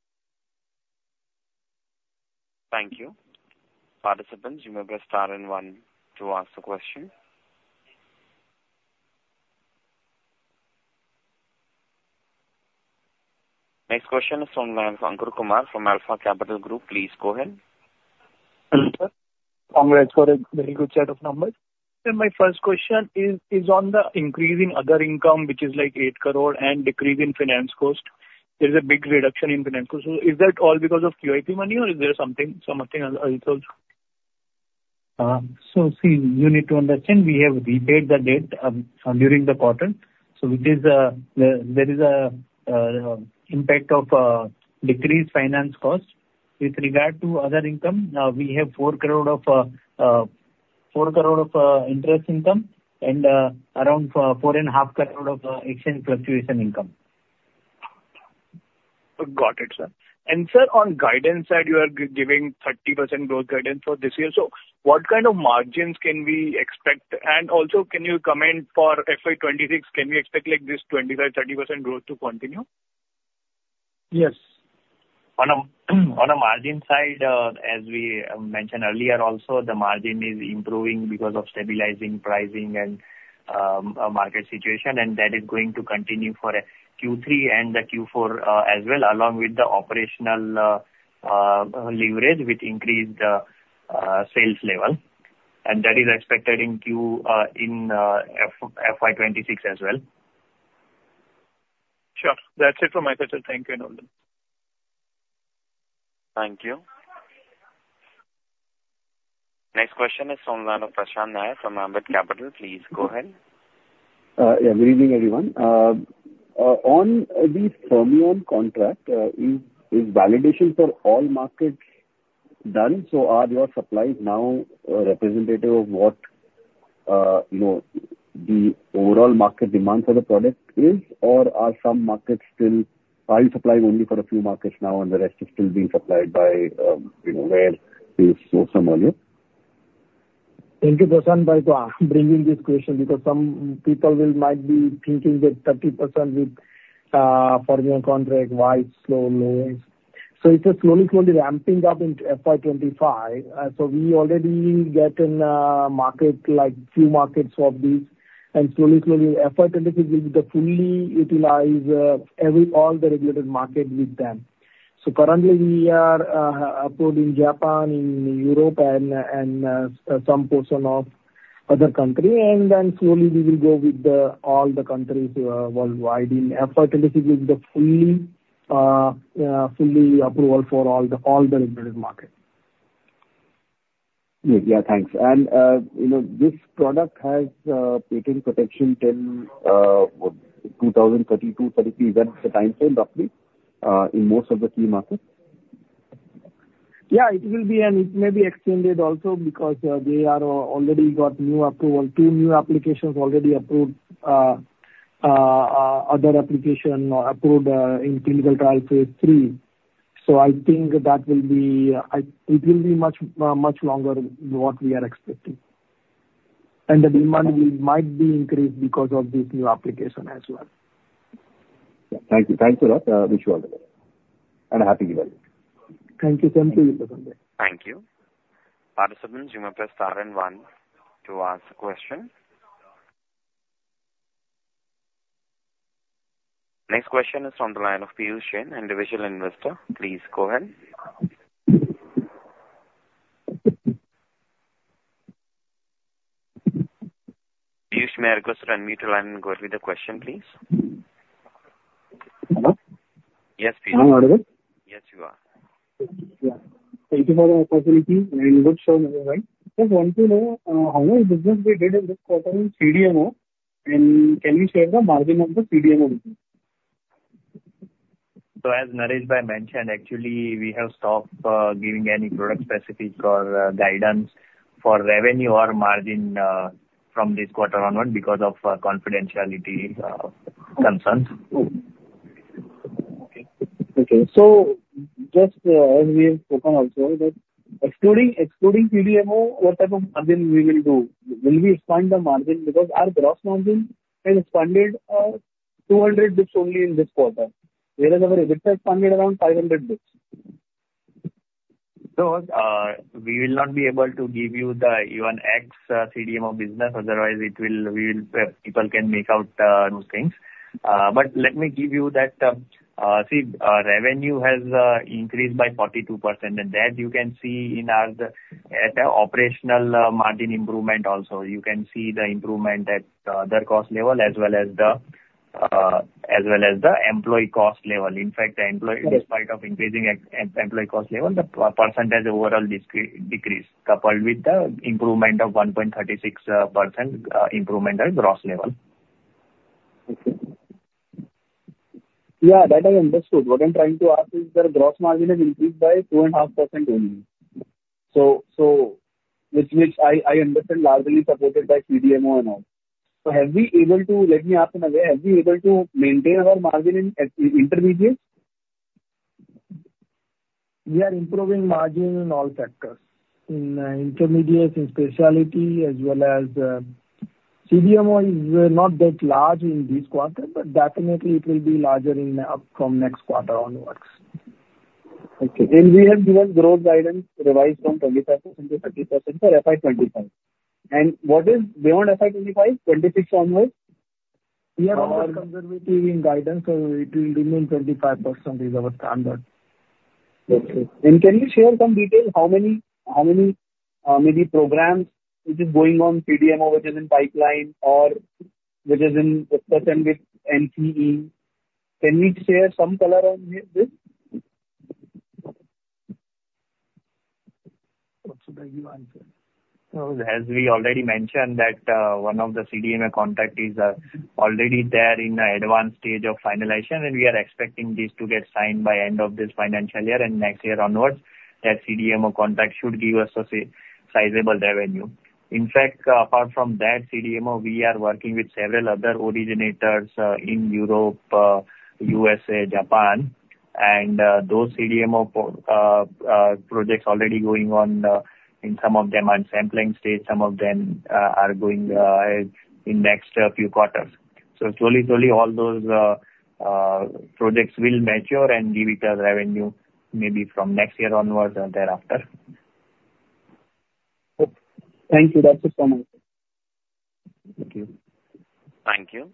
Thank you. Participants, you may press star and one to ask the question. Next question is from Ankur Kumar from Alpha Capital Group. Please go ahead. Hello, sir. Congrats for a very good set of numbers, and my first question is on the increase in other income, which is like 8 crore and decrease in finance cost. There is a big reduction in finance cost. So is that all because of QIP money, or is there something else also? So see, you need to understand we have repaid the debt during the quarter. So there is an impact of decreased finance cost. With regard to other income, we have 4 crore of interest income and around 4.5 crore of exchange fluctuation income. Got it, sir. And sir, on guidance side, you are giving 30% growth guidance for this year. So what kind of margins can we expect? And also, can you comment for FY 2026, can we expect this 25%, 30% growth to continue? Yes. On a margin side, as we mentioned earlier, also the margin is improving because of stabilizing pricing and market situation, and that is going to continue for Q3 and Q4 as well, along with the operational leverage which increased the sales level, and that is expected in FY 2026 as well. Sure. That's it from my side, sir. Thank you. Thank you. Next question is from Prashant Nair from Ambit Capital. Please go ahead. Yeah. Good evening, everyone. On the Fermion contract, is validation for all markets done? So are your supplies now representative of what the overall market demand for the product is, or are some markets still are you supplying only for a few markets now, and the rest is still being supplied by where you saw some earlier? Thank you, Prashant Bhai, for bringing this question because some people might be thinking that 30% with Fermion contract, why slow? It's slowly, slowly ramping up in FY 2025. We already got in a few markets for these, and slowly, slowly FY 2026 will be the fully utilize all the regulated market with them. Currently, we are approved in Japan, in Europe, and some portion of other countries. Then slowly, we will go with all the countries worldwide in FY 2026 with the fully approval for all the regulated markets. Great. Yeah. Thanks. And this product has patent protection till 2032, 2033, that's the timeframe roughly in most of the key markets? Yeah. It will be, and it may be extended also because they already got two new applications already approved, other application approved in clinical trial phase III, so I think that will be much longer what we are expecting, and the demand might be increased because of this new application as well. Thank you. Thanks a lot. Wish you all the best. And a happy event. Thank you. Same to you, Prashant Bhai. Thank you. Participants, you may press star and one to ask a question. Next question is from the line of Piyush Jain, an individual investor. Please go ahead. Piyush, may I request to unmute your line and go ahead with the question, please? Hello? Yes, Piyush. I'm audible? Yes, you are. Yeah. Thank you for the opportunity. And good show, right? Just want to know how much business we did in this quarter in CDMO, and can you share the margin of the CDMO? As Naresh Bhai mentioned, actually, we have stopped giving any product-specific or guidance for revenue or margin from this quarter onward because of confidentiality concerns. Okay. So just as we have spoken also, that excluding CDMO, what type of margin we will do? Will we expand the margin? Because our gross margin has expanded 200 bps only in this quarter. Whereas our EBITDA expanded around 500 bps. So we will not be able to give you the even X CDMO business. Otherwise, people can make out those things. But let me give you that. See, revenue has increased by 42%, and that you can see in our operational margin improvement also. You can see the improvement at the other cost level as well as the employee cost level. In fact, despite of increasing employee cost level, the percentage overall decreased coupled with the improvement of 1.36% at gross level. Okay. Yeah. That I understood. What I'm trying to ask is the gross margin has increased by 2.5% only. So, which I understand is largely supported by CDMO and all. So, have we been able to? Let me ask in a way: have we been able to maintain our margin in intermediates? We are improving margin in all sectors, in intermediates, in specialty, as well as CDMO is not that large in this quarter, but definitely it will be larger from next quarter onwards. Okay. We have given growth guidance revised from 25% to 30% for FY 2025. What is beyond FY 2025, 2026 onwards? We are all conservative in guidance, so it will remain 25% is our standard. Okay, and can you share some details? How many maybe programs which is going on CDMO, which is in pipeline, or which is in discussion with NCE? Can you share some color on this? What should I give answer? So as we already mentioned, that one of the CDMO contracts is already there in the advanced stage of finalization, and we are expecting this to get signed by end of this financial year and next year onwards. That CDMO contract should give us a sizable revenue. In fact, apart from that CDMO, we are working with several other originators in Europe, USA, Japan. And those CDMO projects are already going on. In some of them, in sampling stage. Some of them are going in next few quarters. So slowly, slowly, all those projects will mature and give us a revenue maybe from next year onwards and thereafter. Okay. Thank you. That's it from my side. Thank you. Thank you.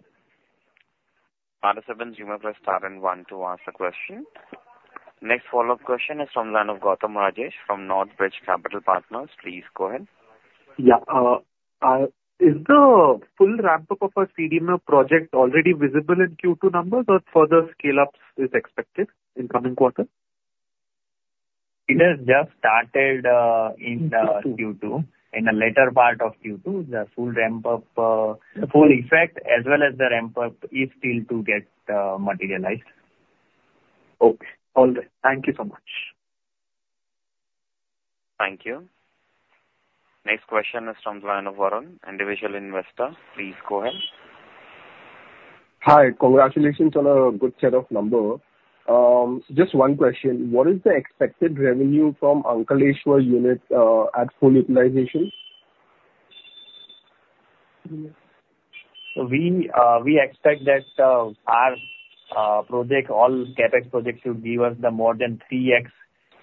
Participants, you may press star and one to ask the question. Next follow-up question is from Gautam Rajesh from Northbridge Capital Partners. Please go ahead. Yeah. Is the full ramp-up of a CDMO project already visible in Q2 numbers, or further scale-ups are expected in the coming quarter? It has just started in Q2. In the later part of Q2, the full ramp-up, the full effect, as well as the ramp-up, is still to get materialized. Okay. All right. Thank you so much. Thank you. Next question is from the line of Varun, individual investor. Please go ahead. Hi. Congratulations on a good set of numbers. Just one question. What is the expected revenue from Ankleshwar unit at full utilization? We expect that our project, all CapEx projects, should give us the more than 3x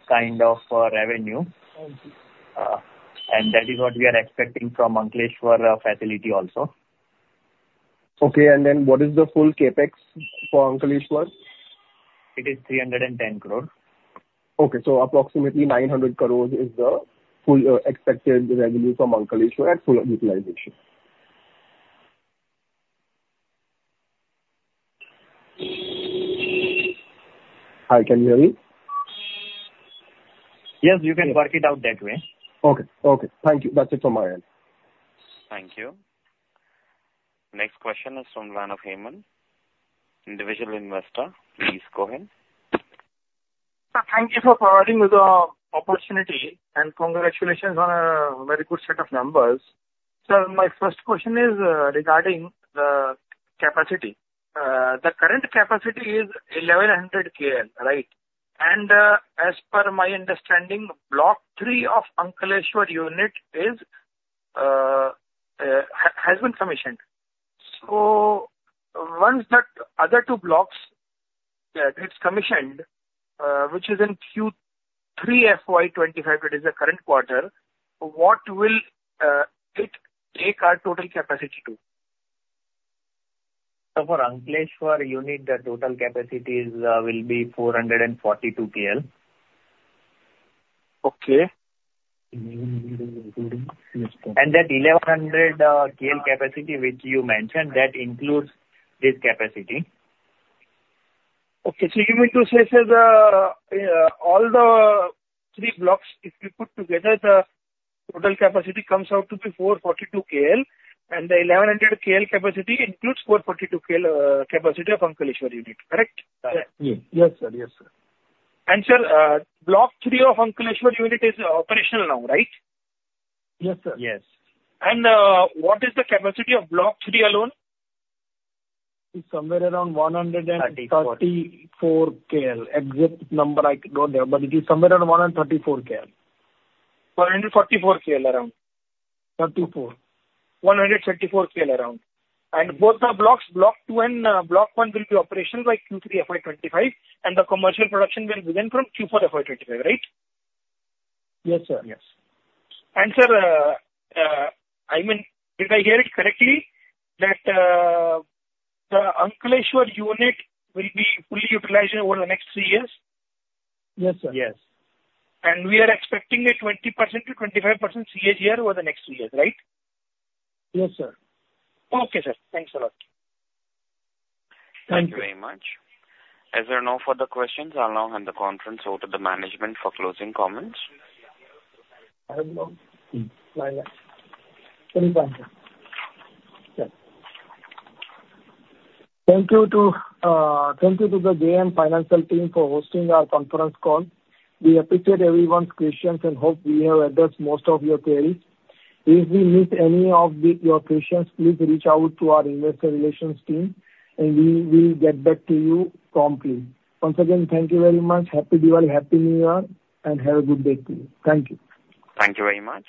kind of revenue, and that is what we are expecting from Ankleshwar facility also. Okay. And then what is the full CapEx for Ankleshwar? It is 310 crore. Okay, so approximately 900 crore is the full expected revenue from Ankleshwar at full utilization. Hi. Can you hear me? Yes. You can work it out that way. Okay. Okay. Thank you. That's it from my end. Thank you. Next question is from the line of Hemant, individual investor. Please go ahead. Thank you for providing the opportunity, and congratulations on a very good set of numbers. Sir, my first question is regarding the capacity. The current capacity is 1,100 KL, right? And as per my understanding, Block 3 of Ankleshwar unit has been commissioned. So once the other two blocks get commissioned, which is in Q3 FY 2025, which is the current quarter, what will it take our total capacity to? For Ankleshwar unit, the total capacity will be 442 KL. Okay. That 1,100 KL capacity which you mentioned, that includes this capacity. Okay. So you mean to say, sir, all the three blocks, if we put together, the total capacity comes out to be 442 KL, and the 1,100 KL capacity includes 442 KL capacity of Ankleshwar unit, correct? Yes. Yes, sir. Yes, sir. Sir, Block 3 of Ankleshwar unit is operational now, right? Yes, sir. Yes. And what is the capacity of Block 3 alone? It's somewhere around 144... 30... KL. Exact number I don't have, but it is somewhere around 134 KL. 144 KL around. 34. 134 KL around. And both the blocks, Block 2 and Block 1, will be operational by Q3 FY 2025, and the commercial production will begin from Q4 FY 2025, right? Yes, sir. Yes. And sir, I mean, did I hear it correctly that the Ankleshwar unit will be fully utilized over the next three years? Yes, sir. Yes. And we are expecting a 20%-25% CAGR over the next three years, right? Yes, sir. Okay, sir. Thanks a lot. Thank you. Thank you very much. Is there no further questions? I'll now hand the conference over to the management for closing comments. I have no further questions. Thank you to the JM Financial team for hosting our conference call. We appreciate everyone's questions and hope we have addressed most of your queries. If we miss any of your questions, please reach out to our investor relations team, and we will get back to you promptly. Once again, thank you very much. Happy Diwali, Happy New Year, and have a good day to you. Thank you. Thank you very much.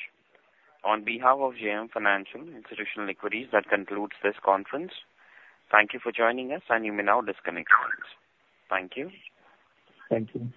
On behalf of JM Financial Institutional Equities, that concludes this conference. Thank you for joining us, and you may now disconnect from us. Thank you. Thank you.